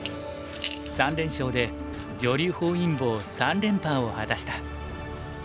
３連勝で女流本因坊三連覇を果たした。